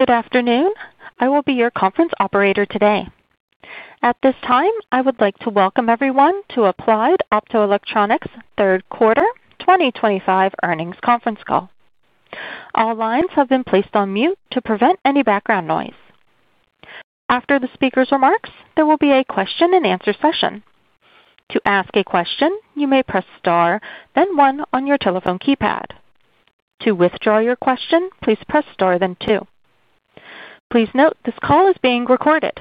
Good afternoon. I will be your conference operator today. At this time, I would like to welcome everyone to Applied Optoelectronics' Third Quarter 2025 Earnings Conference Call. All lines have been placed on mute to prevent any background noise. After the speaker's remarks, there will be a question-and-answer session. To ask a question, you may press star then one on your telephone keypad. To withdraw your question, please press star then two. Please note this call is being recorded.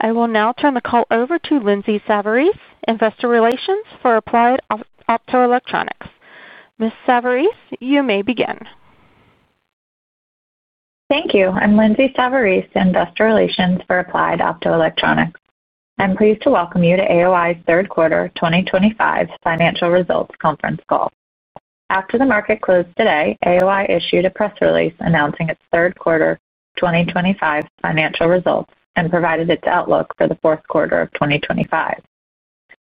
I will now turn the call over to Lindsay Savarese, Investor Relations, for Applied Optoelectronics. Ms. Savarese, you may begin. Thank you. I'm Lindsay Savarese, Investor Relations for Applied Optoelectronics. I'm pleased to welcome you to AOI's third quarter 2025 financial results conference call. After the market closed today, AOI issued a press release announcing its third quarter 2025 financial results and provided its outlook for the fourth quarter of 2025.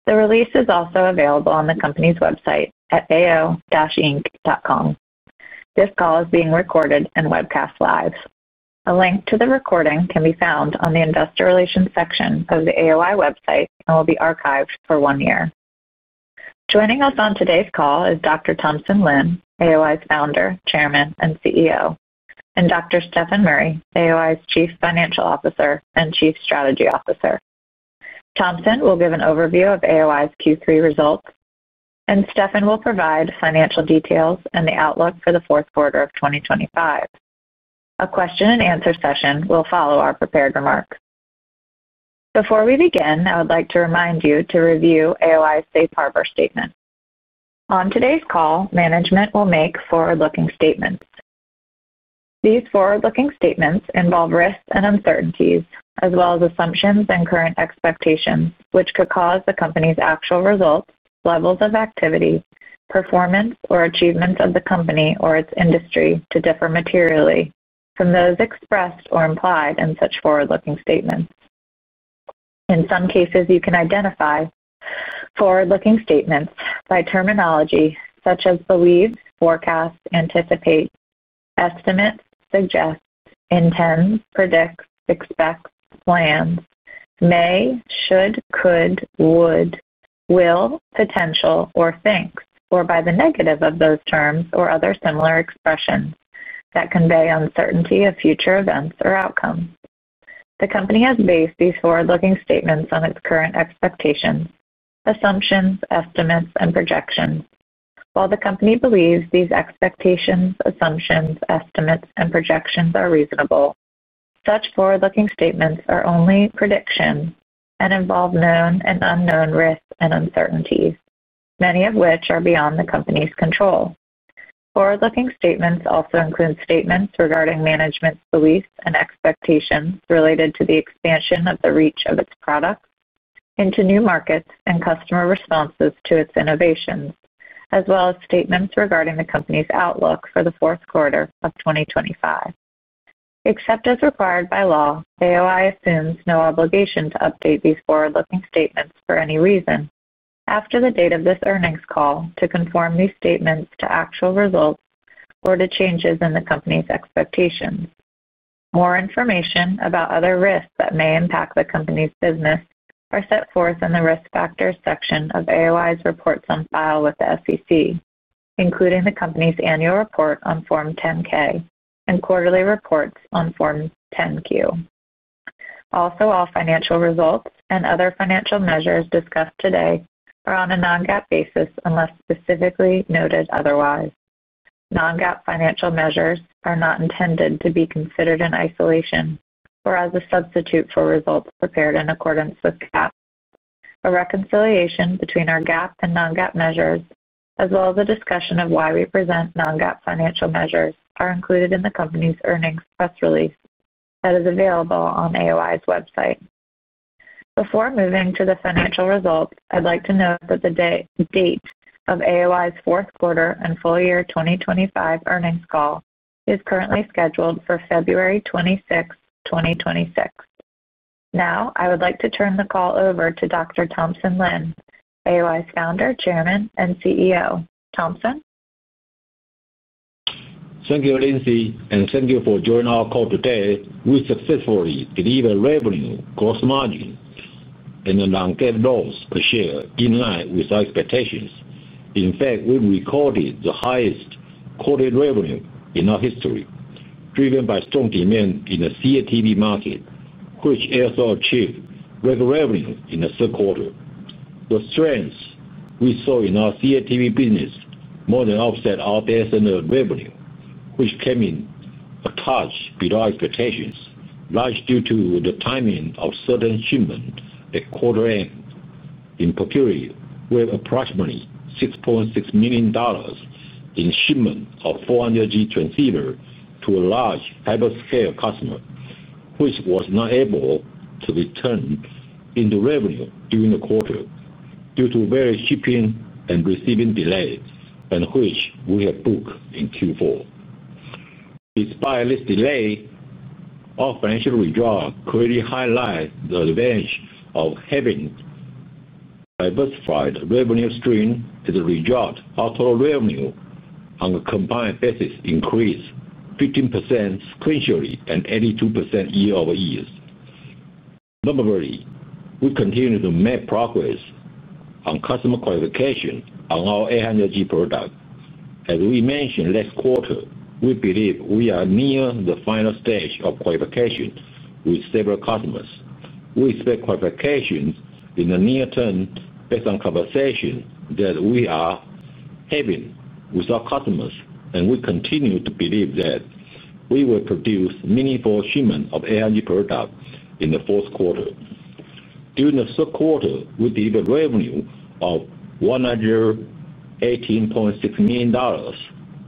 The release is also available on the company's website at ao-inc.com. This call is being recorded and webcast live. A link to the recording can be found on the Investor Relations section of the AOI website and will be archived for one year. Joining us on today's call is Dr. Thompson Lin, AOI's founder, chairman, and CEO, and Dr. Stefan Murray, AOI's chief financial officer and chief strategy officer. Thompson will give an overview of AOI's Q3 results, and Stefan will provide financial details and the outlook for the fourth quarter of 2025. A question-and-answer session will follow our prepared remarks. Before we begin, I would like to remind you to review AOI's safe harbor statement. On today's call, management will make forward-looking statements. These forward-looking statements involve risks and uncertainties, as well as assumptions and current expectations which could cause the company's actual results, levels of activity, performance, or achievements of the company or its industry to differ materially from those expressed or implied in such forward-looking statements. In some cases, you can identify forward-looking statements by terminology such as believes, forecast, anticipate, estimate, suggest, intend, predict, expect, plans, may, should, could, would, will, potential, or thinks, or by the negative of those terms or other similar expressions that convey uncertainty of future events or outcomes. The company has based these forward-looking statements on its current expectations, assumptions, estimates, and projections. While the company believes these expectations, assumptions, estimates, and projections are reasonable, such forward-looking statements are only predictions and involve known and unknown risks and uncertainties, many of which are beyond the company's control. Forward-looking statements also include statements regarding management's beliefs and expectations related to the expansion of the reach of its products into new markets and customer responses to its innovations, as well as statements regarding the company's outlook for the fourth quarter of 2025. Except as required by law, AOI assumes no obligation to update these forward-looking statements for any reason after the date of this earnings call to conform these statements to actual results or to changes in the company's expectations. More information about other risks that may impact the company's business is set forth in the risk factors section of AOI's reports on file with the SEC, including the company's annual report on Form 10-K and quarterly reports on Form 10-Q. Also, all financial results and other financial measures discussed today are on a non-GAAP basis unless specifically noted otherwise. Non-GAAP financial measures are not intended to be considered in isolation or as a substitute for results prepared in accordance with GAAP. A reconciliation between our GAAP and non-GAAP measures, as well as a discussion of why we present non-GAAP financial measures, is included in the company's earnings press release that is available on AOI's website. Before moving to the financial results, I'd like to note that the date of AOI's fourth quarter and full year 2025 earnings call is currently scheduled for February 26, 2026. Now, I would like to turn the call over to Dr. Thompson Lin, AOI's founder, chairman, and CEO. Thompson. Thank you, Lindsay, and thank you for joining our call today. We successfully delivered revenue, gross margin, and non-GAAP loss per share in line with our expectations. In fact, we recorded the highest quarterly revenue in our history, driven by strong demand in the CATV market, which also achieved record revenue in the third quarter. The strengths we saw in our CATV business more than offset our datacom revenue, which came in a touch below expectations, largely due to the timing of certain shipments at quarter-end. In particular, we have approximately $6.6 million in shipments of 400G transceivers to a large hyperscale customer, which was not able to be recognized into revenue during the quarter due to various shipping and receiving delays, and which we have booked in Q4. Despite this delay, our financial result clearly highlights the advantage of having. Diversified revenue streams as a result of total revenue on a combined basis increased 15% sequentially and 82% year-over-year. Number three, we continue to make progress on customer qualification on our 800G product. As we mentioned last quarter, we believe we are near the final stage of qualification with several customers. We expect qualification in the near term based on conversations that we are having with our customers, and we continue to believe that we will produce meaningful shipments of 800G product in the fourth quarter. During the third quarter, we delivered revenue of $118.6 million,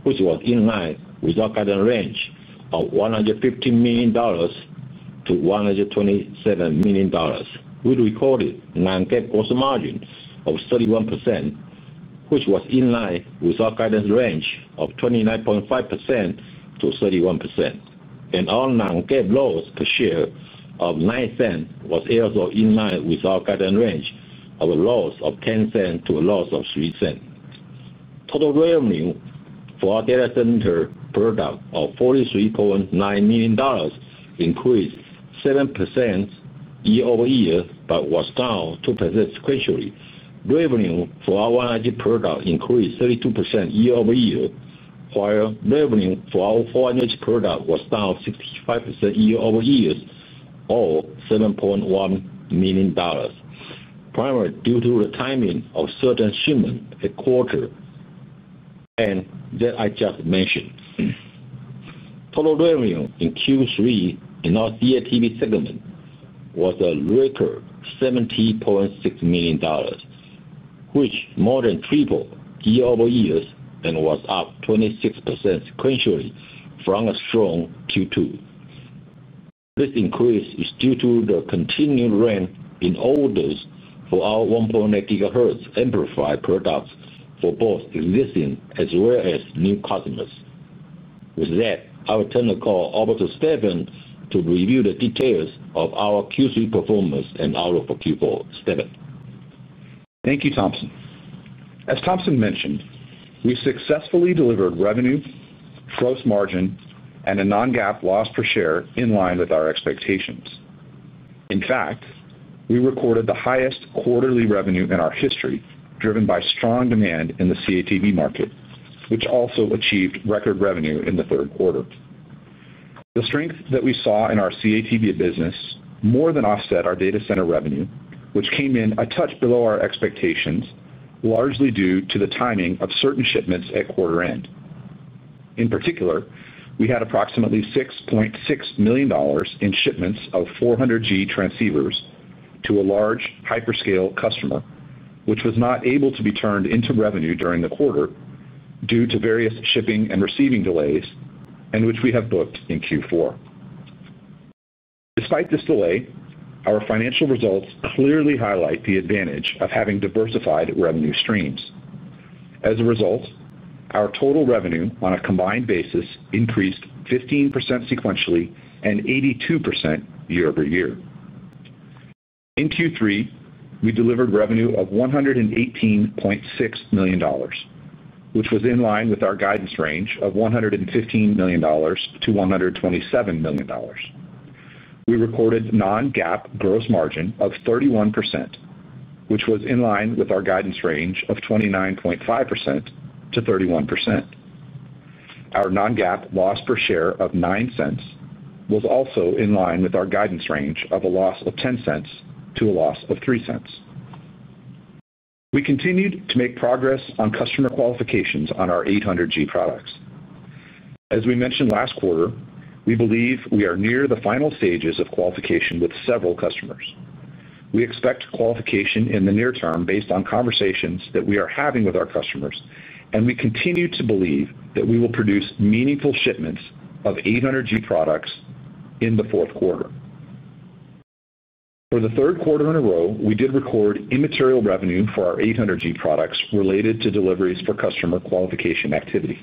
which was in line with our guidance range of $115 million-$127 million. We recorded non-GAAP gross margin of 31%, which was in line with our guidance range of 29.5%-31%. Our non-GAAP loss per share of $0.09 was also in line with our guidance range of a loss of $0.10-$0.03. Total revenue for our data center product was $43.9 million, increased 7% year-over-year but was down percent sequentially. Revenue for our 100G product increased 32% year-over-year, while revenue for our 400G product was down 65% year-over-year, all $7.1 million, primarily due to the timing of certain shipments at quarter end that I just mentioned. Total revenue in Q3 in our CATV segment was a record $70.6 million, which more than tripled year-over-year and was up 26% sequentially from a strong Q2. This increase is due to the continued range in orders for our 1.8 GHz amplifier products for both existing as well as new customers. With that, I will turn the call over to Stefan to review the details of our Q3 performance and outlook for Q4. Stefan. Thank you, Thompson. As Thompson mentioned, we successfully delivered revenue, gross margin, and a non-GAAP loss per share in line with our expectations. In fact, we recorded the highest quarterly revenue in our history driven by strong demand in the CATV market, which also achieved record revenue in the third quarter. The strengths that we saw in our CATV business more than offset our data center revenue, which came in a touch below our expectations, largely due to the timing of certain shipments at quarter-end. In particular, we had approximately $6.6 million in shipments of 400G transceivers to a large hyperscale customer, which was not able to be turned into revenue during the quarter due to various shipping and receiving delays and which we have booked in Q4. Despite this delay, our financial results clearly highlight the advantage of having diversified revenue streams. As a result, our total revenue on a combined basis increased 15% sequentially and 82% year-over-year. In Q3, we delivered revenue of $118.6 million, which was in line with our guidance range of $115 million-$127 million. We recorded non-GAAP gross margin of 31%, which was in line with our guidance range of 29.5%-31%. Our non-GAAP loss per share of $0.09 was also in line with our guidance range of a loss of $0.10-$0.03. We continued to make progress on customer qualifications on our 800G products. As we mentioned last quarter, we believe we are near the final stages of qualification with several customers. We expect qualification in the near term based on conversations that we are having with our customers, and we continue to believe that we will produce meaningful shipments of 800G products in the fourth quarter. For the third quarter in a row, we did record immaterial revenue for our 800G products related to deliveries for customer qualification activity.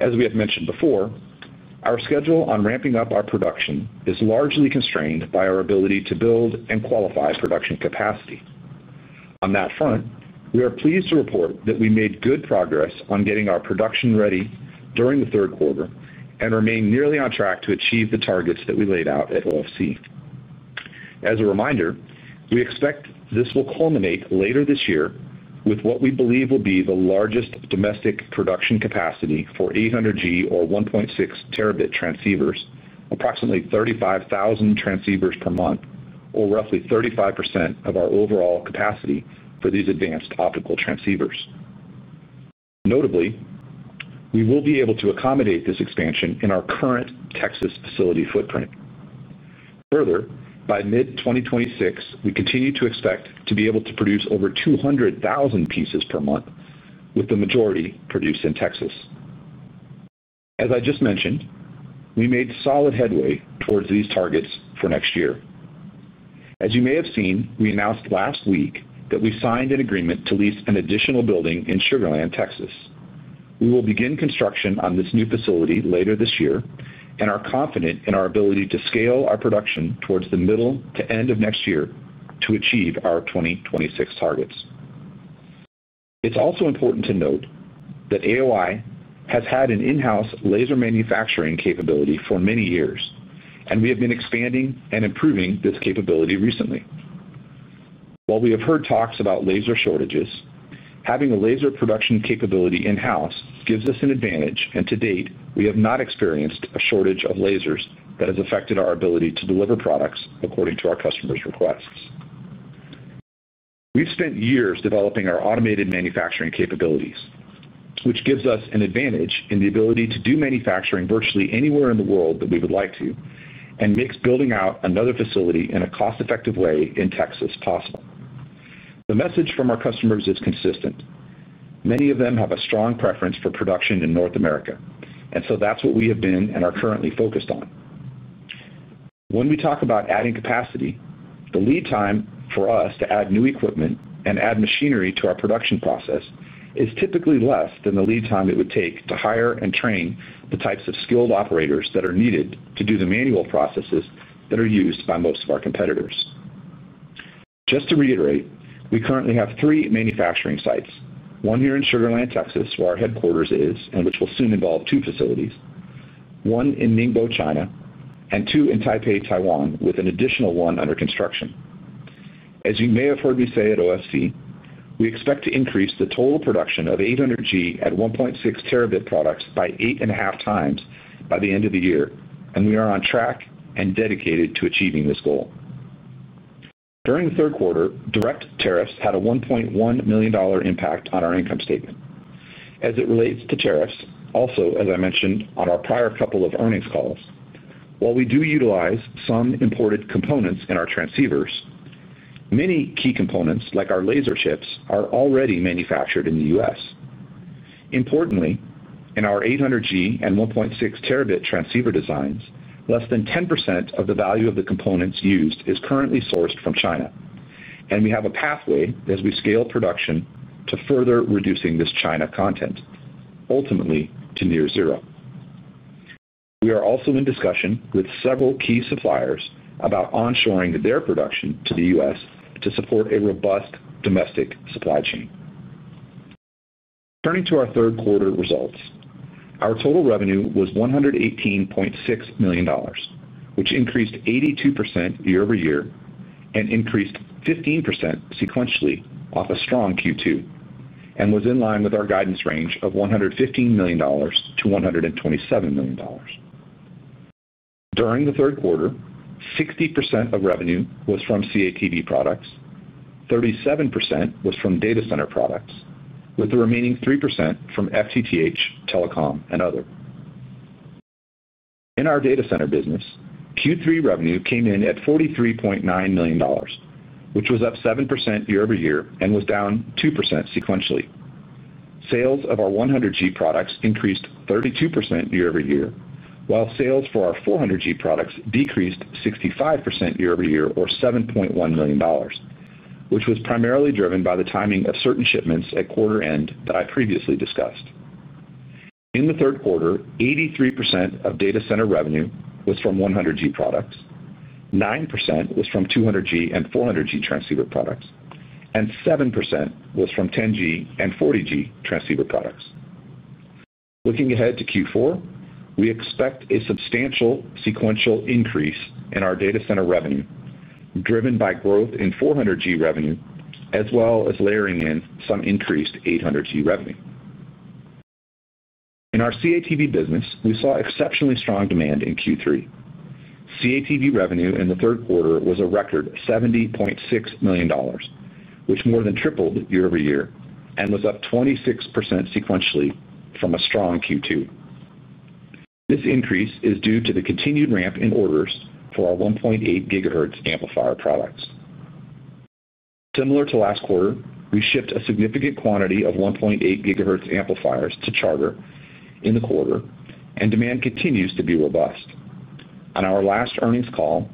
As we have mentioned before, our schedule on ramping up our production is largely constrained by our ability to build and qualify production capacity. On that front, we are pleased to report that we made good progress on getting our production ready during the third quarter and remain nearly on track to achieve the targets that we laid out at OFC. As a reminder, we expect this will culminate later this year with what we believe will be the largest domestic production capacity for 800G or 1.6T transceivers, approximately 35,000 transceivers per month, or roughly 35% of our overall capacity for these advanced optical transceivers. Notably, we will be able to accommodate this expansion in our current Texas facility footprint. Further, by mid-2026, we continue to expect to be able to produce over 200,000 pieces per month, with the majority produced in Texas. As I just mentioned, we made solid headway towards these targets for next year. As you may have seen, we announced last week that we signed an agreement to lease an additional building in Sugar Land, Texas. We will begin construction on this new facility later this year and are confident in our ability to scale our production towards the middle to end of next year to achieve our 2026 targets. It's also important to note that AOI has had an in-house laser manufacturing capability for many years, and we have been expanding and improving this capability recently. While we have heard talks about laser shortages, having a laser production capability in-house gives us an advantage, and to date, we have not experienced a shortage of lasers that has affected our ability to deliver products according to our customers' requests. We've spent years developing our automated manufacturing capabilities, which gives us an advantage in the ability to do manufacturing virtually anywhere in the world that we would like to and makes building out another facility in a cost-effective way in Texas possible. The message from our customers is consistent. Many of them have a strong preference for production in North America, and so that's what we have been and are currently focused on. When we talk about adding capacity, the lead time for us to add new equipment and add machinery to our production process is typically less than the lead time it would take to hire and train the types of skilled operators that are needed to do the manual processes that are used by most of our competitors. Just to reiterate, we currently have three manufacturing sites: one here in Sugar Land, Texas, where our headquarters is, and which will soon involve two facilities; one in Ningbo, China; and two in Taipei, Taiwan, with an additional one under construction. As you may have heard me say at OFC, we expect to increase the total production of 800G and 1.6 terabit products by eight and a half times by the end of the year, and we are on track and dedicated to achieving this goal. During the third quarter, direct tariffs had a $1.1 million impact on our income statement. As it relates to tariffs, also, as I mentioned on our prior couple of earnings calls, while we do utilize some imported components in our transceivers, many key components, like our laser chips, are already manufactured in the U.S. Importantly, in our 800G and 1.6T transceiver designs, less than 10% of the value of the components used is currently sourced from China, and we have a pathway as we scale production to further reducing this China content, ultimately to near zero. We are also in discussion with several key suppliers about onshoring their production to the U.S. to support a robust domestic supply chain. Turning to our third quarter results, our total revenue was $118.6 million, which increased 82% year-over-year and increased 15% sequentially off a strong Q2 and was in line with our guidance range of $115 million-$127 million. During the third quarter, 60% of revenue was from CATV products, 37% was from data center products, with the remaining 3% from FTTH, telecom, and other. In our data center business, Q3 revenue came in at $43.9 million, which was up 7% year-over-year and was down 2% sequentially. Sales of our 100G products increased 32% year-over-year, while sales for our 400G products decreased 65% year-over-year, or $7.1 million, which was primarily driven by the timing of certain shipments at quarter-end that I previously discussed. In the third quarter, 83% of data center revenue was from 100G products, 9% was from 200G and 400G transceiver products, and 7% was from 10G and 40G transceiver products. Looking ahead to Q4, we expect a substantial sequential increase in our data center revenue driven by growth in 400G revenue, as well as layering in some increased 800G revenue. In our CATV business, we saw exceptionally strong demand in Q3. CATV revenue in the third quarter was a record $70.6 million, which more than tripled year-over-year and was up 26% sequentially from a strong Q2. This increase is due to the continued ramp in orders for our 1.8 GHz amplifier products. Similar to last quarter, we shipped a significant quantity of 1.8 GHz amplifiers to Charter in the quarter, and demand continues to be robust. On our last earnings call,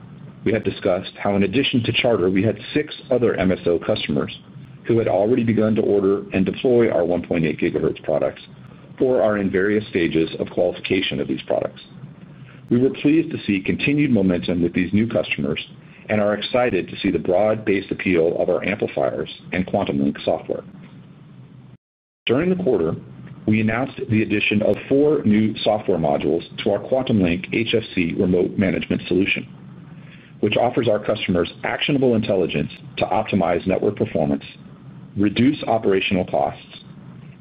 we had discussed how in addition to Charter, we had six other MSO customers who had already begun to order and deploy our 1.8 GHz products or are in various stages of qualification of these products. We were pleased to see continued momentum with these new customers and are excited to see the broad-based appeal of our amplifiers and QuantumLink software. During the quarter, we announced the addition of four new software modules to our QuantumLink HFC remote management solution, which offers our customers actionable intelligence to optimize network performance, reduce operational costs,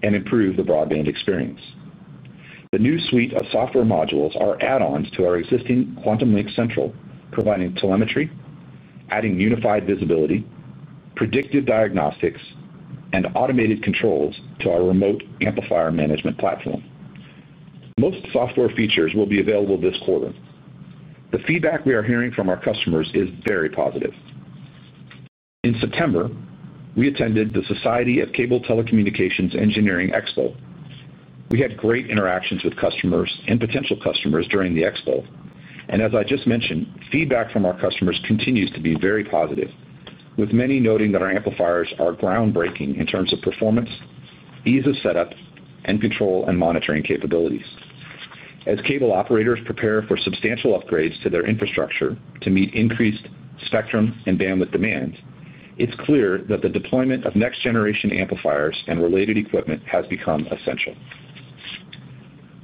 and improve the broadband experience. The new suite of software modules are add-ons to our existing QuantumLink Central, providing telemetry, adding unified visibility, predictive diagnostics, and automated controls to our remote amplifier management platform. Most software features will be available this quarter. The feedback we are hearing from our customers is very positive. In September, we attended the Society of Cable Telecommunications Engineers Expo. We had great interactions with customers and potential customers during the Expo, and as I just mentioned, feedback from our customers continues to be very positive, with many noting that our amplifiers are groundbreaking in terms of performance, ease of setup, and control and monitoring capabilities. As cable operators prepare for substantial upgrades to their infrastructure to meet increased spectrum and bandwidth demands, it's clear that the deployment of next-generation amplifiers and related equipment has become essential.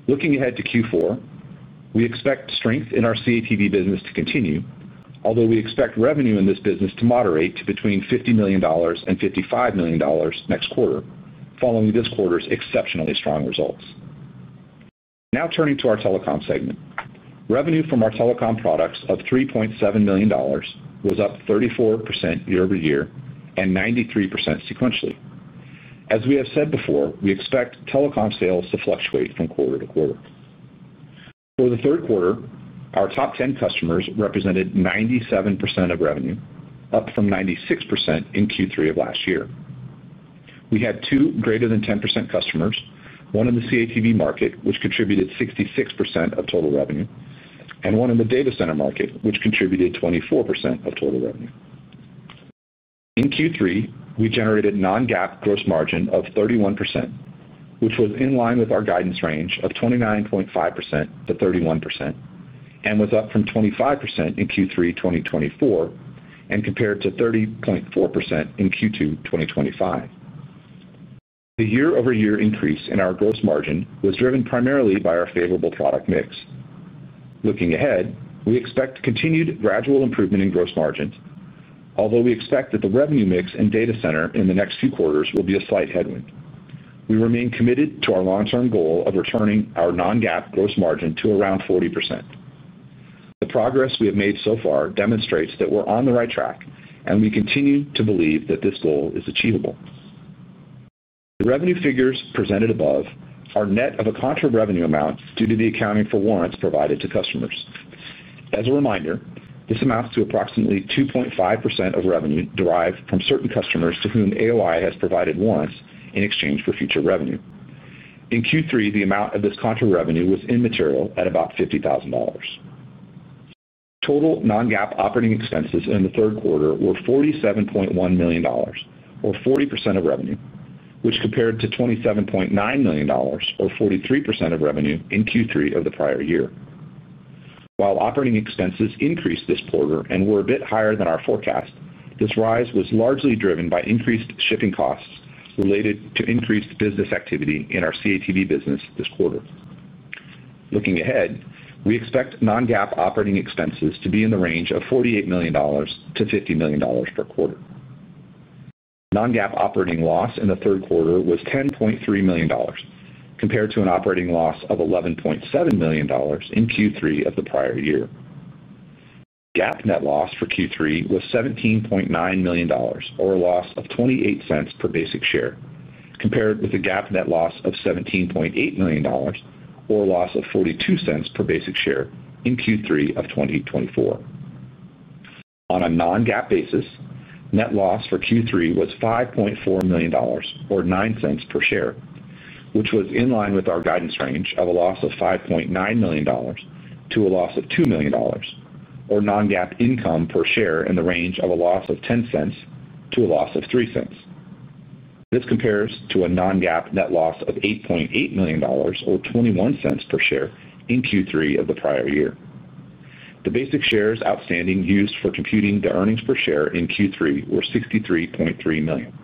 Looking ahead to Q4, we expect strength in our CATV business to continue, although we expect revenue in this business to moderate to between $50 million and $55 million next quarter, following this quarter's exceptionally strong results. Now turning to our telecom segment, revenue from our telecom products of $3.7 million was up 34% year-over-year and 93% sequentially. As we have said before, we expect telecom sales to fluctuate from quarter-to-quarter. For the third quarter, our top 10 customers represented 97% of revenue, up from 96% in Q3 of last year. We had two greater than 10% customers, one in the CATV market, which contributed 66% of total revenue, and one in the data center market, which contributed 24% of total revenue. In Q3, we generated non-GAAP gross margin of 31%, which was in line with our guidance range of 29.5%-31% and was up from 25% in Q3 2024 and compared to 30.4% in Q2 2025. The year-over-year increase in our gross margin was driven primarily by our favorable product mix. Looking ahead, we expect continued gradual improvement in gross margins, although we expect that the revenue mix and data center in the next few quarters will be a slight headwind. We remain committed to our long-term goal of returning our non-GAAP gross margin to around 40%. The progress we have made so far demonstrates that we're on the right track, and we continue to believe that this goal is achievable. The revenue figures presented above are net of a contra revenue amount due to the accounting for warrants provided to customers. As a reminder, this amounts to approximately 2.5% of revenue derived from certain customers to whom AOI has provided warrants in exchange for future revenue. In Q3, the amount of this contra revenue was immaterial at about $50,000. Total non-GAAP operating expenses in the third quarter were $47.1 million, or 40% of revenue, which compared to $27.9 million, or 43% of revenue in Q3 of the prior year. While operating expenses increased this quarter and were a bit higher than our forecast, this rise was largely driven by increased shipping costs related to increased business activity in our CATV business this quarter. Looking ahead, we expect non-GAAP operating expenses to be in the range of $48 million-$50 million per quarter. Non-GAAP operating loss in the third quarter was $10.3 million, compared to an operating loss of $11.7 million in Q3 of the prior year. GAAP net loss for Q3 was $17.9 million, or a loss of $0.28 per basic share, compared with a GAAP net loss of $17.8 million, or a loss of $0.42 per basic share in Q3 of 2024. On a non-GAAP basis, net loss for Q3 was $5.4 million, or $0.09 per share, which was in line with our guidance range of a loss of $5.9 million to a loss of $2 million, or non-GAAP income per share in the range of a loss of $0.10 to a loss of $0.03. This compares to a non-GAAP net loss of $8.8 million, or $0.21 per share in Q3 of the prior year. The basic shares outstanding used for computing the earnings per share in Q3 were 63.3 million.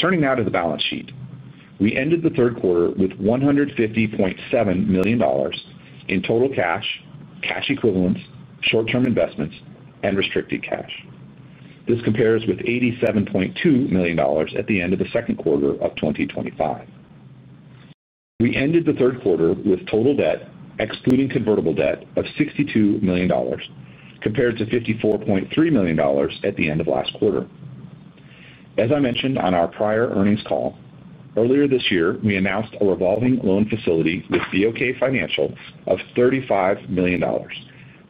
Turning now to the balance sheet, we ended the third quarter with $150.7 million. In total cash, cash equivalents, short-term investments, and restricted cash. This compares with $87.2 million at the end of the second quarter of 2025. We ended the third quarter with total debt, excluding convertible debt, of $62 million, compared to $54.3 million at the end of last quarter. As I mentioned on our prior earnings call, earlier this year, we announced a revolving loan facility with BOK Financial of $35 million,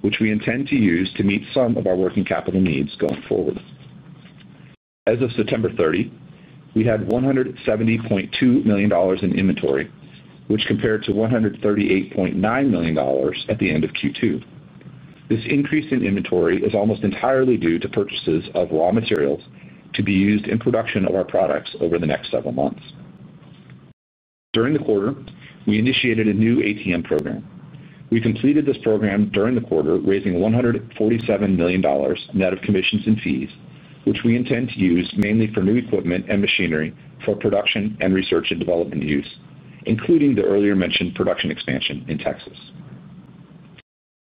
which we intend to use to meet some of our working capital needs going forward. As of September 30, we had $170.2 million in inventory, which compared to $138.9 million at the end of Q2. This increase in inventory is almost entirely due to purchases of raw materials to be used in production of our products over the next several months. During the quarter, we initiated a new ATM program. We completed this program during the quarter, raising $147 million net of commissions and fees, which we intend to use mainly for new equipment and machinery for production and research and development use, including the earlier mentioned production expansion in Texas.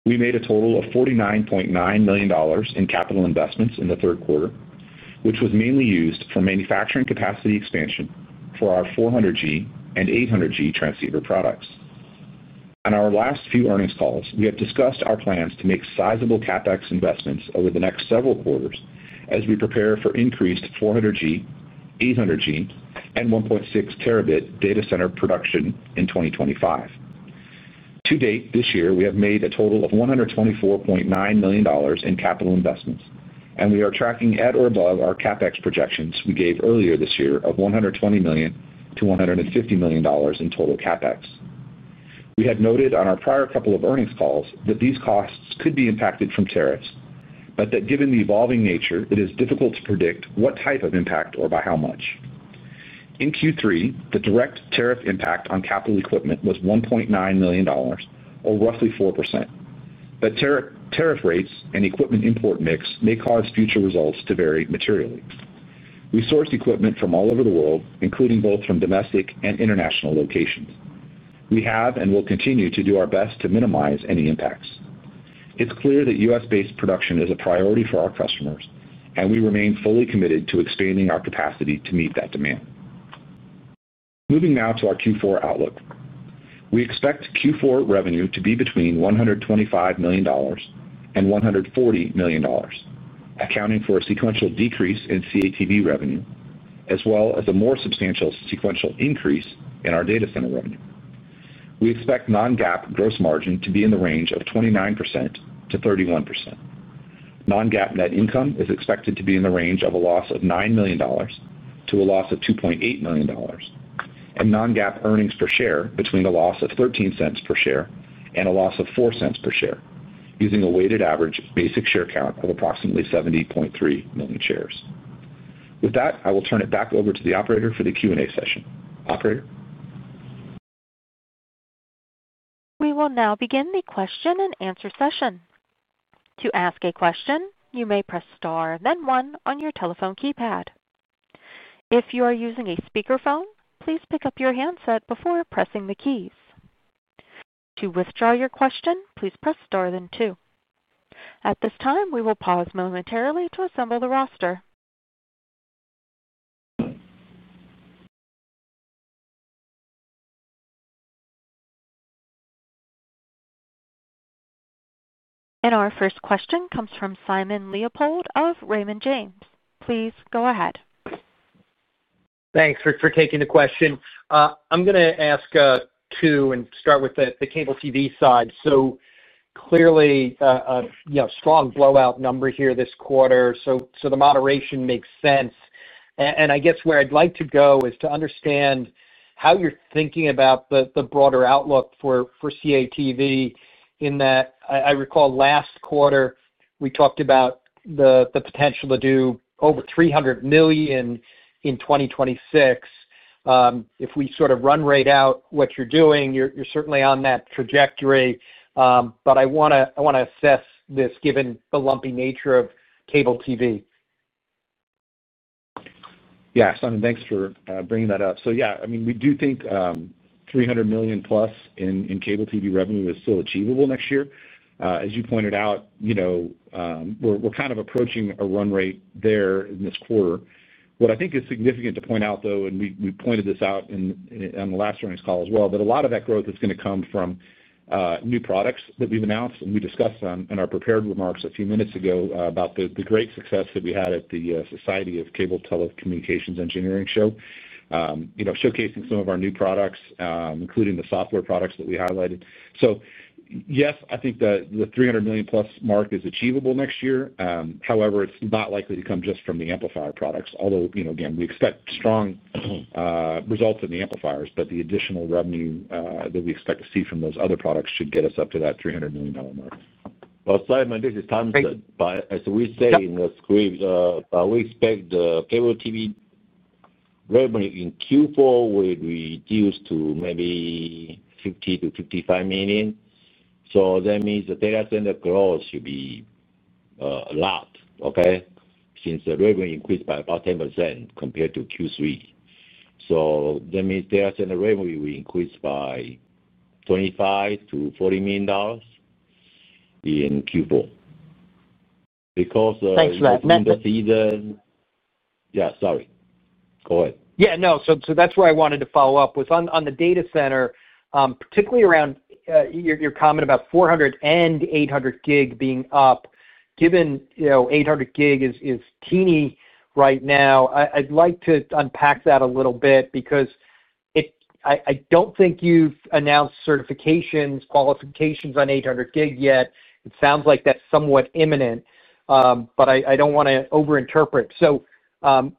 We made a total of $49.9 million in capital investments in the third quarter, which was mainly used for manufacturing capacity expansion for our 400G and 800G transceiver products. On our last few earnings calls, we have discussed our plans to make sizable CapEx investments over the next several quarters as we prepare for increased 400G, 800G, and 1.6T data center production in 2025. To date, this year, we have made a total of $124.9 million in capital investments, and we are tracking at or above our CapEx projections we gave earlier this year of $120 million-$150 million in total CapEx. We had noted on our prior couple of earnings calls that these costs could be impacted from tariffs, but that given the evolving nature, it is difficult to predict what type of impact or by how much. In Q3, the direct tariff impact on capital equipment was $1.9 million, or roughly 4%. Tariff rates and equipment import mix may cause future results to vary materially. We sourced equipment from all over the world, including both from domestic and international locations. We have and will continue to do our best to minimize any impacts. It's clear that U.S.-based production is a priority for our customers, and we remain fully committed to expanding our capacity to meet that demand. Moving now to our Q4 outlook, we expect Q4 revenue to be between $125 million and $140 million, accounting for a sequential decrease in CATV revenue, as well as a more substantial sequential increase in our data center revenue. We expect non-GAAP gross margin to be in the range of 29%-31%. Non-GAAP net income is expected to be in the range of a loss of $9 million to a loss of $2.8 million, and non-GAAP earnings per share between a loss of $0.13 per share and a loss of $0.04 per share, using a weighted average basic share count of approximately 70.3 million shares. With that, I will turn it back over to the operator for the Q&A session. Operator. We will now begin the question and answer session. To ask a question, you may press star then one on your telephone keypad. If you are using a speakerphone, please pick up your handset before pressing the keys. To withdraw your question, please press star then two. At this time, we will pause momentarily to assemble the roster. Our first question comes from Simon Leopold of Raymond James. Please go ahead. Thanks for taking the question. I'm going to ask two and start with the cable TV side. Clearly, a strong blowout number here this quarter. The moderation makes sense. I guess where I'd like to go is to understand how you're thinking about the broader outlook for CATV in that I recall last quarter, we talked about the potential to do over $300 million in 2026. If we sort of run right out what you're doing, you're certainly on that trajectory. I want to assess this given the lumpy nature of cable TV. Yeah. Simon, thanks for bringing that up. Yeah, I mean, we do think $300 million plus in cable TV revenue is still achievable next year. As you pointed out, we're kind of approaching a run rate there in this quarter. What I think is significant to point out, though, and we pointed this out on the last earnings call as well, is that a lot of that growth is going to come from new products that we've announced, and we discussed in our prepared remarks a few minutes ago about the great success that we had at the Society of Cable Telecommunications Engineers Show, showcasing some of our new products, including the software products that we highlighted. Yes, I think the $300 million plus mark is achievable next year. However, it's not likely to come just from the amplifier products. Although, again, we expect strong. Results in the amplifiers, but the additional revenue that we expect to see from those other products should get us up to that $300 million mark. Simon, this is Thompson. As we say in the script, we expect the cable TV revenue in Q4 will reduce to maybe $50 million-$55 million. That means the data center growth should be a lot, okay, since the revenue increased by about 10% compared to Q3. That means data center revenue will increase by $25 million-$40 million in Q4. Thanks for that. Stefan. Yeah, sorry. Go ahead. Yeah. No, that is where I wanted to follow up with on the data center, particularly around your comment about 400G and 800G being up, given 800G is teeny right now, I'd like to unpack that a little bit because I don't think you've announced certifications, qualifications on 800 gig yet. It sounds like that's somewhat imminent, but I don't want to overinterpret.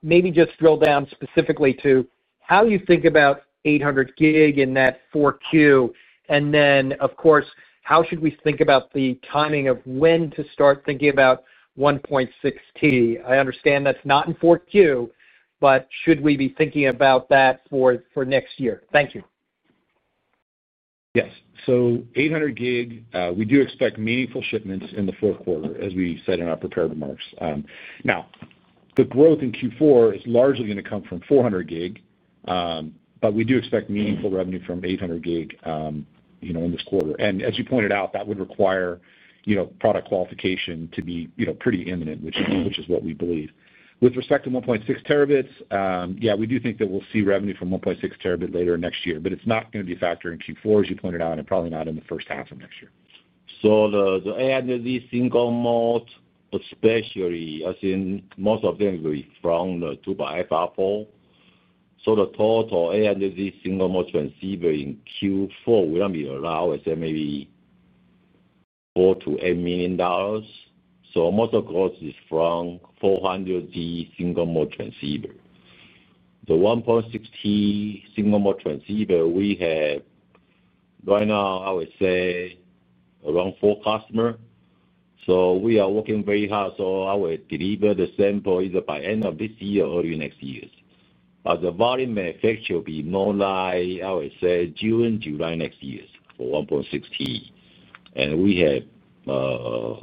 Maybe just drill down specifically to how you think about 800G in that 4Q. Of course, how should we think about the timing of when to start thinking about 1.6T? I understand that's not in 4Q, but should we be thinking about that for next year? Thank you. Yes. 800 gig, we do expect meaningful shipments in the fourth quarter, as we said in our prepared remarks. The growth in Q4 is largely going to come from 400G. We do expect meaningful revenue from 800G in this quarter. As you pointed out, that would require product qualification to be pretty imminent, which is what we believe. With respect to 1.6T, yeah, we do think that we'll see revenue from 1.6 terabit later next year, but it's not going to be a factor in Q4, as you pointed out, and probably not in the first half of next year. The AIDC single mode, especially, I think most of them will be from the 2xFR4. The total AIDC single mode transceiver in Q4 will not be around, I would say, maybe $4 million-$8 million. Most of the growth is from 400G single mode transceiver. The 1.6T single mode transceiver, we have right now, I would say, around four customers. We are working very hard. I would deliver the sample either by end of this year or early next year. The volume manufacture will be more like, I would say, June-July next year for 1.6T. We have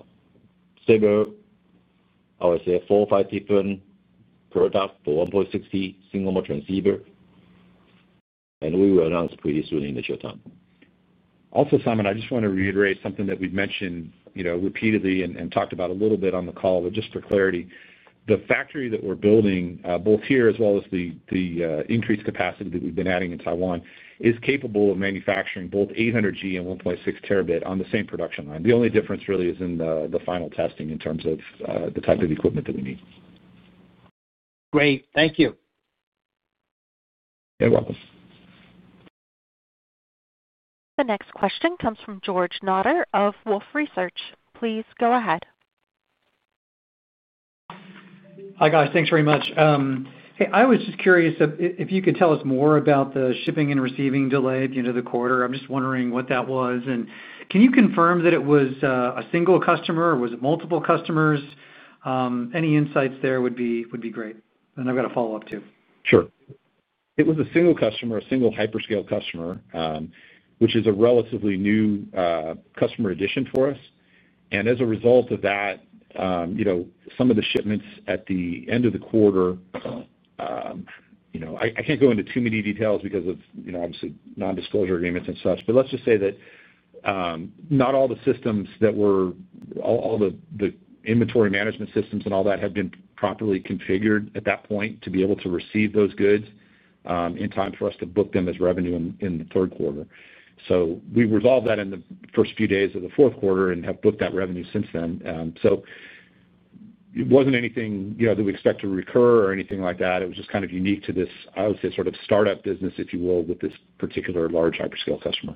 several. I would say, four or five different products for 1.6T single mode transceiver. And we will announce pretty soon in the short term. Also, Simon, I just want to reiterate something that we've mentioned repeatedly and talked about a little bit on the call, but just for clarity, the factory that we're building, both here as well as the increased capacity that we've been adding in Taiwan, is capable of manufacturing both 800G and 1.6T on the same production line. The only difference really is in the final testing in terms of the type of equipment that we need. Great. Thank you. You're welcome. The next question comes from George Notter of Wolfe Research. Please go ahead. Hi, guys. Thanks very much. Hey, I was just curious if you could tell us more about the shipping and receiving delay at the end of the quarter. I'm just wondering what that was. Can you confirm that it was a single customer or was it multiple customers? Any insights there would be great. I've got a follow-up too. Sure. It was a single customer, a single hyperscale customer, which is a relatively new customer addition for us. As a result of that, some of the shipments at the end of the quarter—I can't go into too many details because of, obviously, non-disclosure agreements and such, but let's just say that not all the systems that were, all the inventory management systems and all that, had been properly configured at that point to be able to receive those goods in time for us to book them as revenue in the third quarter. We resolved that in the first few days of the fourth quarter and have booked that revenue since then. It was not anything that we expect to recur or anything like that. It was just kind of unique to this, I would say, sort of startup business, if you will, with this particular large hyperscale customer.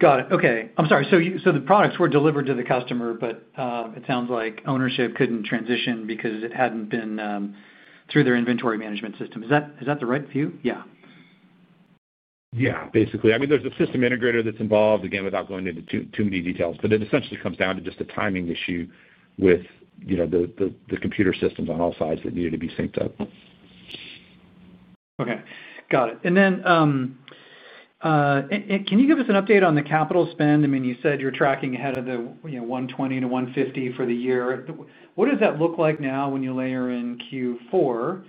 Got it. Okay. I'm sorry. So the products were delivered to the customer, but it sounds like ownership could not transition because it had not been through their inventory management system. Is that the right view? Yeah. Yeah, basically. I mean, there is a system integrator that is involved, again, without going into too many details, but it essentially comes down to just a timing issue with the computer systems on all sides that needed to be synced up. Okay. Got it. Can you give us an update on the capital spend? I mean, you said you are tracking ahead of the $120 million-$150 million for the year. What does that look like now when you layer in Q4?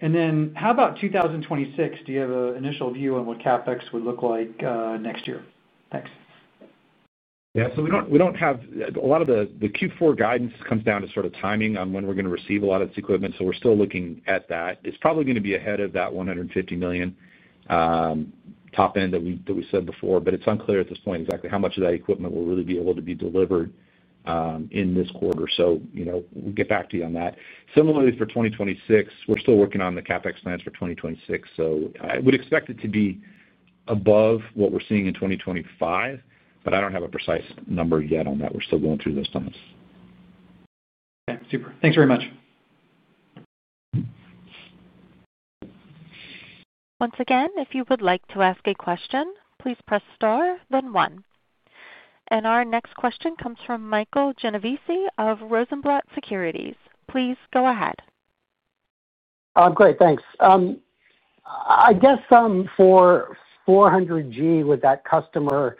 And then how about 2026? Do you have an initial view on what CapEx would look like next year? Thanks. Yeah. We do not have a lot of the Q4 guidance comes down to sort of timing on when we are going to receive a lot of this equipment. We are still looking at that. It is probably going to be ahead of that $150 million top end that we said before, but it is unclear at this point exactly how much of that equipment will really be able to be delivered in this quarter. We will get back to you on that. Similarly, for 2026, we are still working on the CapEx plans for 2026. I would expect it to be above what we are seeing in 2025, but I do not have a precise number yet on that. We're still going through those times. Okay. Super. Thanks very much. Once again, if you would like to ask a question, please press star, then one. Our next question comes from Michael Genovese of Rosenblatt Securities. Please go ahead. Great. Thanks. I guess for 400G, with that customer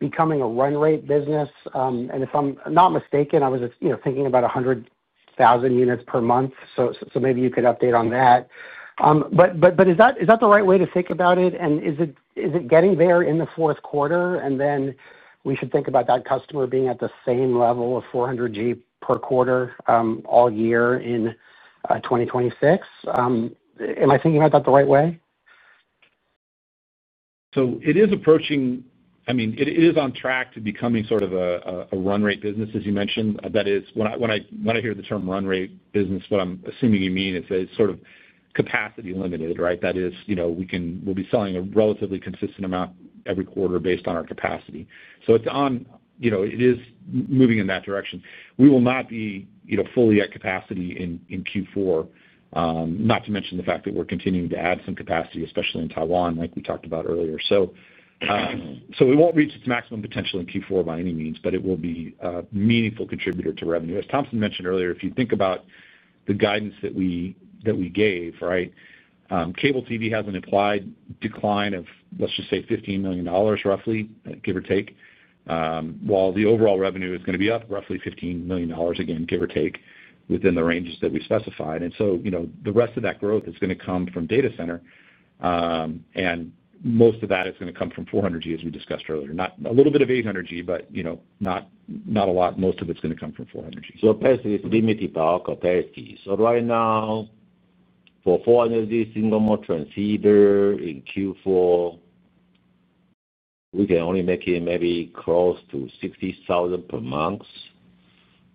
becoming a run rate business, and if I'm not mistaken, I was thinking about 100,000 units per month. Maybe you could update on that. Is that the right way to think about it? Is it getting there in the fourth quarter? We should think about that customer being at the same level of 400G per quarter all year in 2026. Am I thinking about that the right way? It is approaching—I mean, it is on track to becoming sort of a run rate business, as you mentioned. That is, when I hear the term run rate business, what I'm assuming you mean is sort of capacity limited, right? That is, we'll be selling a relatively consistent amount every quarter based on our capacity. It is moving in that direction. We will not be fully at capacity in Q4. Not to mention the fact that we're continuing to add some capacity, especially in Taiwan, like we talked about earlier. We won't reach its maximum potential in Q4 by any means, but it will be a meaningful contributor to revenue. As Thompson mentioned earlier, if you think about the guidance that we gave, right, cable TV has an implied decline of, let's just say, $15 million, roughly, give or take. While the overall revenue is going to be up roughly $15 million, again, give or take, within the ranges that we specified. The rest of that growth is going to come from data center. Most of that is going to come from 400G, as we discussed earlier. A little bit of 800G, but not a lot. Most of it is going to come from 400G. Basically, it is limited by our capacity. Right now, for 400G single mode transceiver in Q4, we can only make it maybe close to 60,000 per month.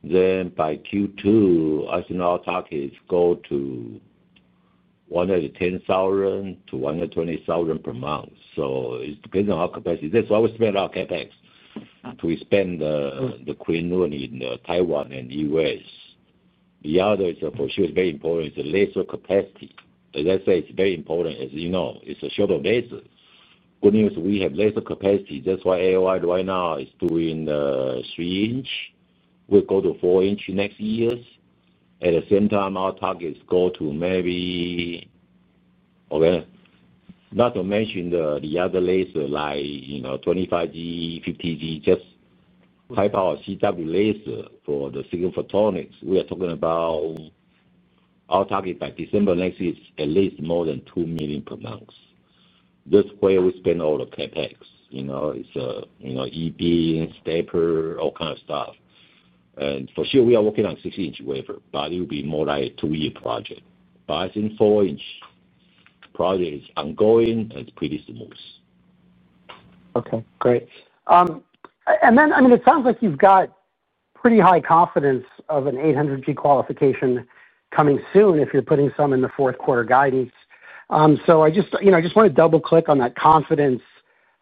By Q2, I think our target is to go to 110,000-120,000 per month. It depends on our capacity. That is why we spend our CapEx. We spend the CapEx in Taiwan and the U.S. The other is, for sure, very important, is the laser capacity. As I said, it is very important. As you know, it is a shorter laser. Good news, we have laser capacity. That is why AOI right now is doing the 3-inch. We'll go to 4-inch next year. At the same time, our target is to go to maybe. Not to mention the other laser, like 25G, 50G, just. High-power CW laser for the single photonics. We are talking about. Our target by December next year is at least more than 2 million per month. That's where we spend all the CapEx. It's EB, stepper, all kinds of stuff. For sure, we are working on 6-inch wafer, but it will be more like a two-year project. I think 4-inch project is ongoing and it's pretty smooth. Okay. Great. I mean, it sounds like you've got pretty high confidence of an 800G qualification coming soon if you're putting some in the fourth quarter guidance. I just want to double-click on that confidence.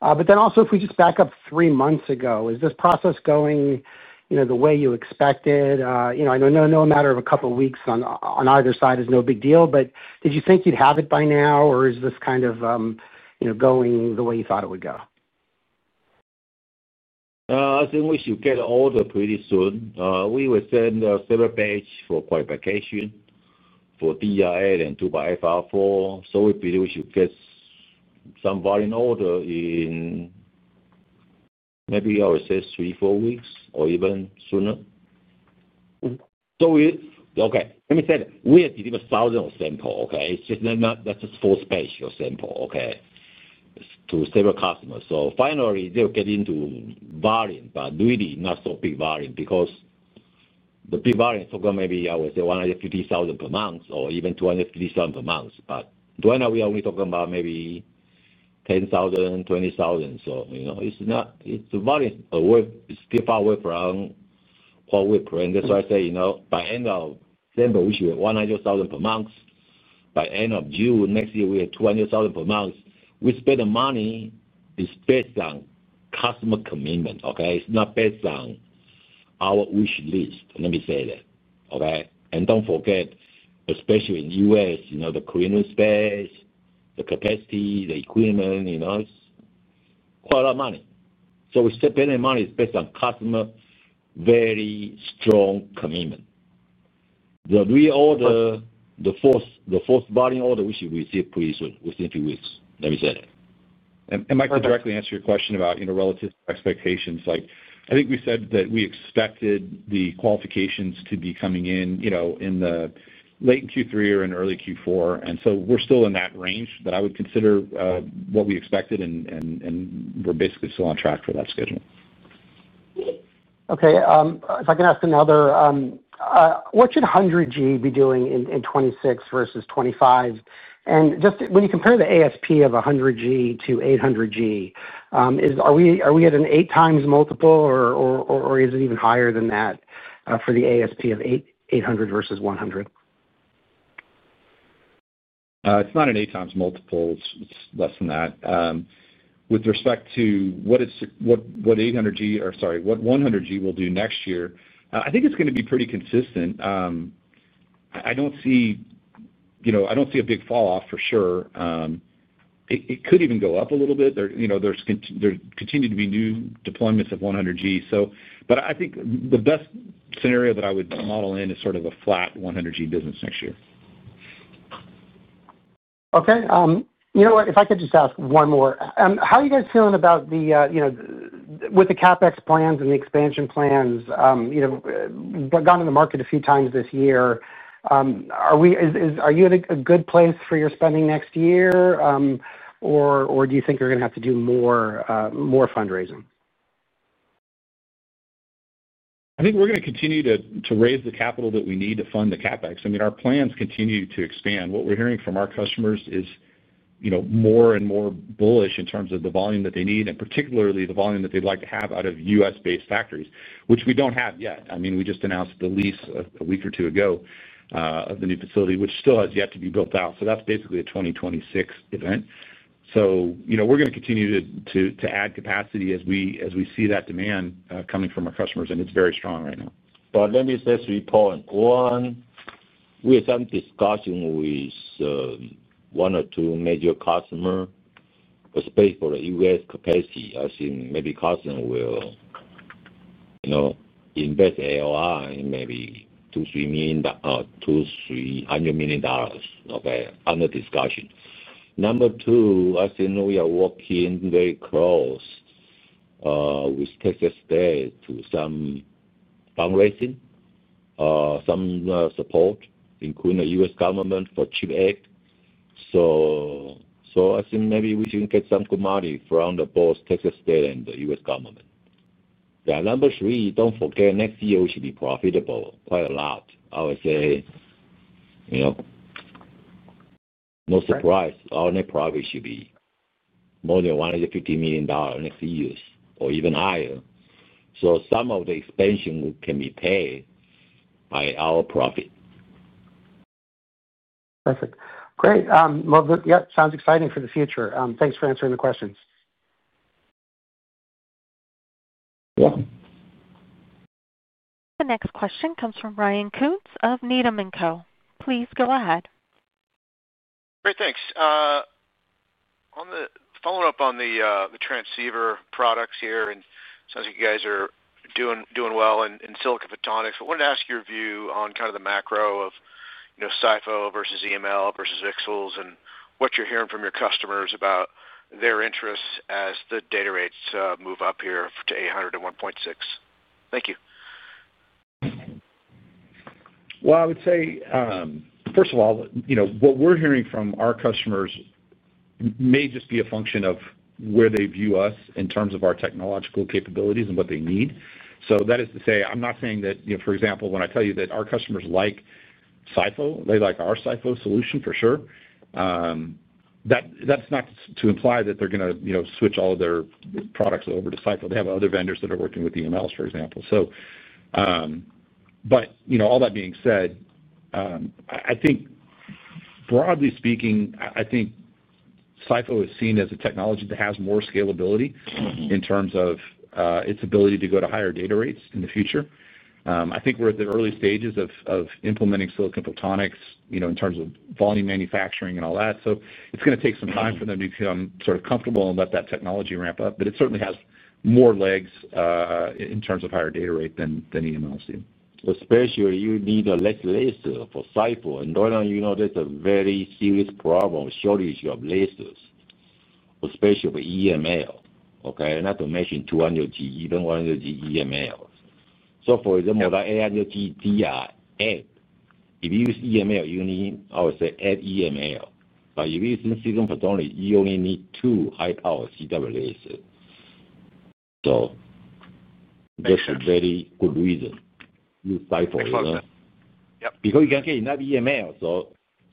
If we just back up three months ago, is this process going the way you expected? I know no matter of a couple of weeks on either side is no big deal, but did you think you'd have it by now, or is this kind of going the way you thought it would go? I think we should get an order pretty soon. We were sent several batches for qualification for DR4 and 2xFR4. So we believe we should get some volume order in maybe, I would say, three, four weeks or even sooner. Okay. Let me say that we have delivered thousands of samples, okay? That's just four batches of samples, okay, to several customers. So finally, they'll get into volume, but really not so big volume because the big volume is talking maybe, I would say, 150,000 per month or even 250,000 per month. Right now, we're only talking about maybe 10,000, 20,000. It's a volume still far away from, quite away from. That's why I say by end of December, we should have 100,000 per month. By end of June next year, we have 200,000 per month. We spend the money based on customer commitment, okay? It's not based on our wish list. Let me say that, okay? Don't forget, especially in the U.S., the quinolone space, the capacity, the equipment, it's quite a lot of money. We spend that money based on customer, very strong commitment. The reorder, the fourth volume order, we should receive pretty soon, within a few weeks. Let me say that. I might directly answer your question about relative expectations. I think we said that we expected the qualifications to be coming in in the late Q3 or in early Q4. We're still in that range that I would consider what we expected. We're basically still on track for that schedule. Okay. If I can ask another, what should 100G be doing in 2026 versus 2025? When you compare the ASP of 100G to 800G, are we at an 8x multiple, or is it even higher than that for the ASP of 800 versus 100? It's not an 8x multiple. It's less than that. With respect to what 800G or, sorry, what 100G will do next year, I think it's going to be pretty consistent. I don't see a big falloff for sure. It could even go up a little bit. There continues to be new deployments of 100G. I think the best scenario that I would model in is sort of a flat 100G business next year. Okay. You know what? If I could just ask one more, how are you guys feeling about the, with the CapEx plans and the expansion plans? We've gone to the market a few times this year. Are you at a good place for your spending next year, or do you think you're going to have to do more fundraising? I think we're going to continue to raise the capital that we need to fund the CapEx. I mean, our plans continue to expand. What we're hearing from our customers is more and more bullish in terms of the volume that they need, and particularly the volume that they'd like to have out of U.S.-based factories, which we don't have yet. I mean, we just announced the lease a week or two ago of the new facility, which still has yet to be built out. That is basically a 2026 event. We're going to continue to add capacity as we see that demand coming from our customers, and it's very strong right now. Let me just report on one. We had some discussion with one or two major customers, especially for the U.S. capacity. I think maybe customers will invest in AOI in maybe $200 million, under discussion. Number two, I think we are working very close with Texas State to some fundraising, some support, including the U.S. government for CHIPS Act. I think maybe we should get some good money from both Texas State and the U.S. government. Number three, don't forget, next year we should be profitable quite a lot. I would say no surprise, our net profit should be more than $150 million next year or even higher. Some of the expansion can be paid by our profit. Perfect. Great. Yeah, sounds exciting for the future. Thanks for answering the questions. The next question comes from Ryan Koontz of Needham & Co. Please go ahead. Great. Thanks. Following up on the transceiver products here, and it sounds like you guys are doing well in silicon photonics. I wanted to ask your view on kind of the macro of SiPhO versus EML versus VCSELs and what you're hearing from your customers about their interests as the data rates move up here to 800G and 1.6T. Thank you. I would say, first of all, what we're hearing from our customers may just be a function of where they view us in terms of our technological capabilities and what they need. That is to say, I'm not saying that, for example, when I tell you that our customers like SiPhO, they like our SiPhO solution for sure. That's not to imply that they're going to switch all of their products over to SiPhO. They have other vendors that are working with EMLs, for example. All that being said, I think, broadly speaking, I think SiPhO is seen as a technology that has more scalability in terms of its ability to go to higher data rates in the future. I think we're at the early stages of implementing silicon photonics in terms of volume manufacturing and all that. It's going to take some time for them to become sort of comfortable and let that technology ramp up. It certainly has more legs in terms of higher data rate than EMLs do. Especially when you need less laser for SiPhO. Right now, you know there's a very serious problem with shortage of lasers, especially for EML, okay? Not to mention 200G, even 100G EMLs. For example, the 800G DR4, if you use EML, you need, I would say, add EML. If you're using silicon photonics, you only need two high-power CW lasers. That is a very good reason to use SiPhO, you know? Yep. Because you can get enough EML.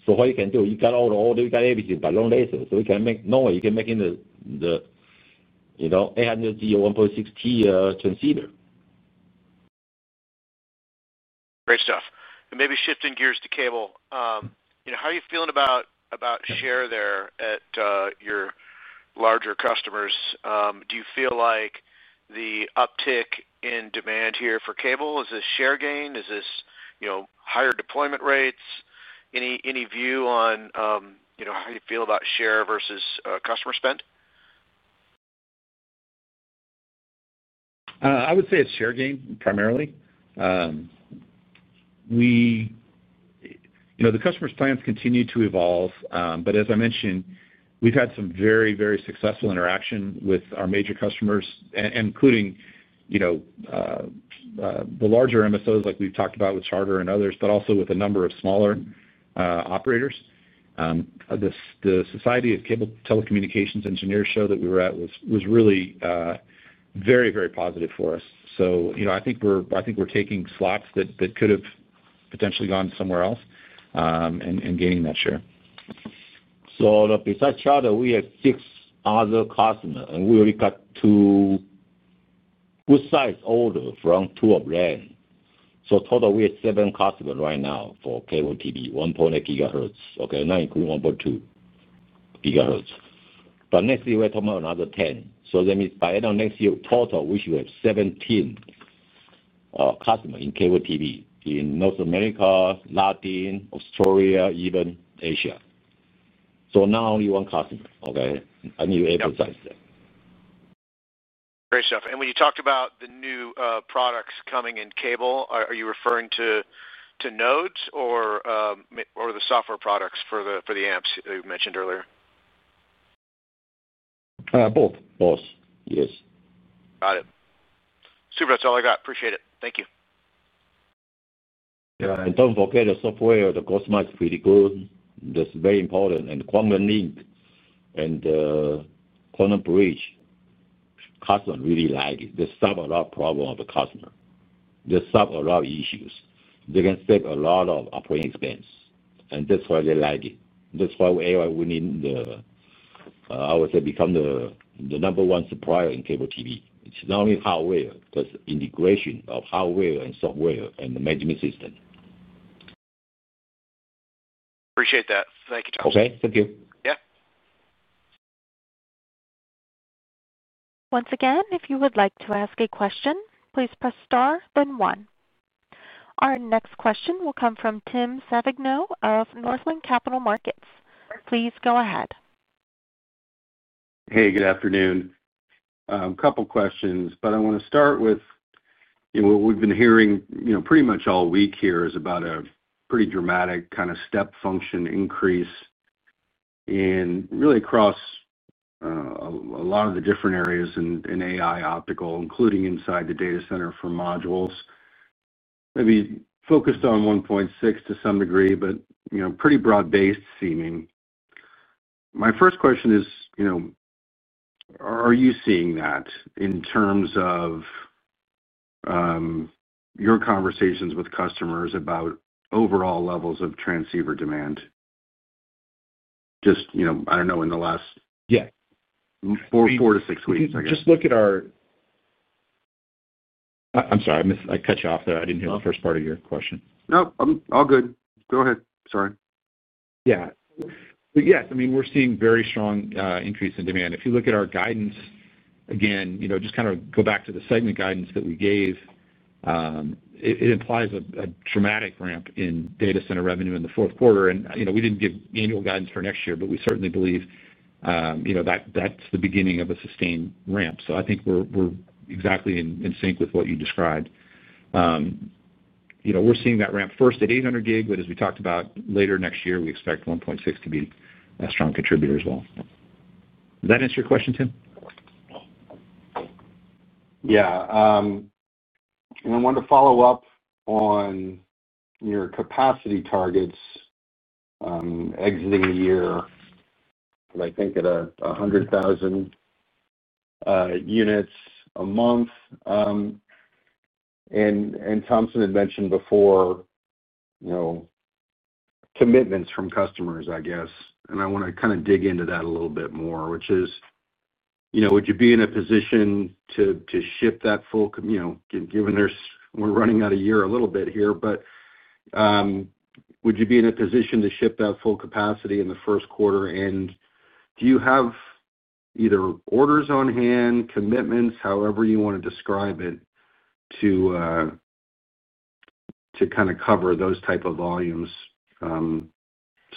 What you can do, you got all the order, you got everything, but no laser. You can make no way you can make in the 800G or 1.6T transceiver. Great stuff. Maybe shifting gears to cable. How are you feeling about share there at your larger customers? Do you feel like the uptick in demand here for cable is a share gain? Is this higher deployment rates? Any view on how you feel about share versus customer spend? I would say it's share gain primarily. The customer's plans continue to evolve. But as I mentioned, we've had some very, very successful interaction with our major customers, including the larger MSOs like we've talked about with Charter and others, but also with a number of smaller operators. The Society of Cable Telecommunications Engineers show that we were at was really very, very positive for us. I think we're taking slots that could have potentially gone somewhere else and gaining that share. Besides Charter, we have six other customers, and we already got two. We started order from two of them. Total, we have seven customers right now for cable TV, 1.8 GHz, okay? Not including 1.2 GHz. Next year, we're talking about another 10. That means by end of next year, total, we should have 17 customers in cable TV in North America, Latin, Australia, even Asia. Not only one customer, okay? I need to emphasize that. Great stuff. When you talked about the new products coming in cable, are you referring to nodes or the software products for the amps that you mentioned earlier? Both. Both. Yes. Got it. Super. That's all I got. Appreciate it. Thank you. Yeah. Don't forget the software. The cost might be pretty good. That's very important. QuantumLink and Quantum Bridge. Customers really like it. They solve a lot of problems of the customer. They solve a lot of issues. They can save a lot of operating expense. That's why they like it. That's why AOI will need, I would say, to become the number one supplier in cable TV. It's not only hardware because integration of hardware and software and the management system. Appreciate that. Thank you, Thompson. Okay. Thank you. Yeah. Once again, if you would like to ask a question, please press star, then one. Our next question will come from Tim Savageaux of Northland Capital Markets. Please go ahead. Hey, good afternoon. A couple of questions, but I want to start with what we've been hearing pretty much all week here is about a pretty dramatic kind of step function increase, really across a lot of the different areas in AI optical, including inside the data center for modules. Maybe focused on 1.6T to some degree, but pretty broad-based seeming. My first question is, are you seeing that in terms of your conversations with customers about overall levels of transceiver demand? Just, I don't know, in the last four to six weeks, I guess. Just look at our— I'm sorry. I cut you off there. I didn't hear the first part of your question. Nope. I'm all good. Go ahead. Sorry. Yeah. So yes, I mean, we're seeing very strong increase in demand. If you look at our guidance, again, just kind of go back to the segment guidance that we gave. It implies a dramatic ramp in data center revenue in the fourth quarter. We didn't give annual guidance for next year, but we certainly believe that's the beginning of a sustained ramp. I think we're exactly in sync with what you described. We're seeing that ramp first at 800G, but as we talked about, later next year, we expect 1.6T to be a strong contributor as well. Does that answer your question, Tim? Yeah. I wanted to follow up on your capacity targets exiting the year. I think at 100,000 units a month. Thompson had mentioned before commitments from customers, I guess. I want to kind of dig into that a little bit more, which is. Would you be in a position to ship that full— Given we're running out of year a little bit here—but. Would you be in a position to ship that full capacity in the first quarter? And do you have either orders on hand, commitments, however you want to describe it, to. Kind of cover those type of volumes.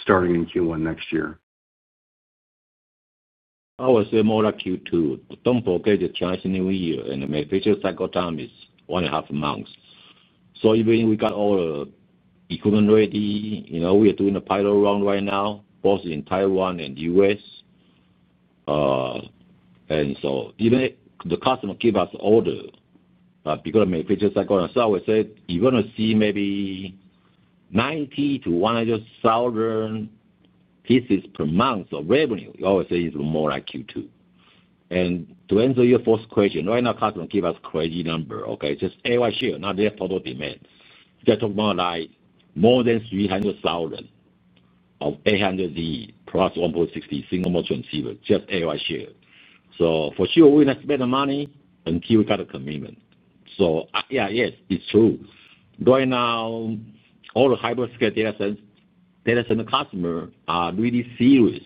Starting in Q1 next year? I would say more Q2. Don't forget the Chinese New Year. And the major cycle time is one and a half months. So even if we got all the equipment ready, we are doing a pilot run right now, both in Taiwan and the U.S. And so even if the customer gives us order because of major cycle time, I would say you're going to see maybe 90,000-100,000 pieces per month of revenue. I would say it's more like Q2. To answer your first question, right now, customers give us crazy numbers, okay? Just AOI share, not their total demand. They're talking about more than 300,000 of 800G plus 1.6T single mode transceiver, just AOI share. For sure, we're going to spend the money until we got the commitment. Yes, it's true. Right now, all the hyperscale data center customers are really serious.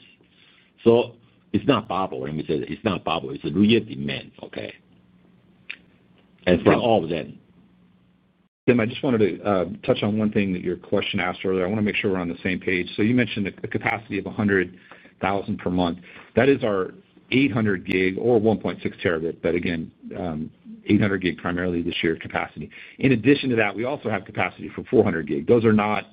It's not bubble, let me say that. It's not a bubble. It's a real demand, okay? For all of them. Tim, I just wanted to touch on one thing that your question asked earlier. I want to make sure we're on the same page. You mentioned a capacity of 100,000 per month. That is our 800G or 1.6T, but again, 800G primarily this year's capacity. In addition to that, we also have capacity for 400G. Those are not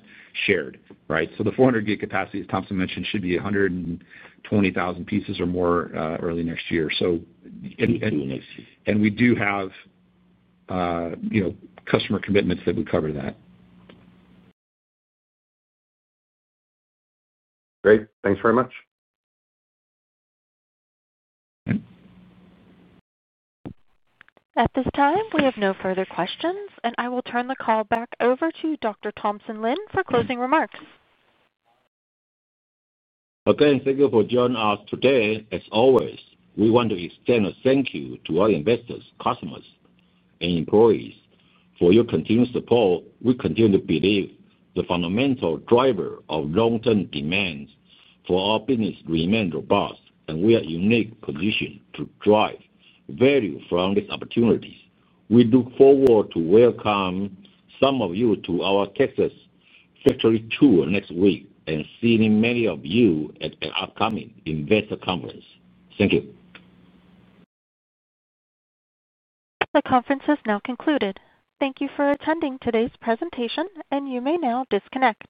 shared, right? So the 400G capacity, as Thompson mentioned, should be 120,000 pieces or more early next year. Next year. And we do have customer commitments that would cover that. Great. Thanks very much. At this time, we have no further questions, and I will turn the call back over to Dr. Thompson Lin for closing remarks. Again, thank you for joining us today. As always, we want to extend a thank you to all investors, customers, and employees. For your continued support, we continue to believe the fundamental driver of long-term demands for our business remains robust, and we are in a unique position to drive value from these opportunities. We look forward to welcoming some of you to our Texas factory tour next week and seeing many of you at an upcoming investor conference. Thank you. The conference has now concluded. Thank you for attending today's presentation, and you may now disconnect.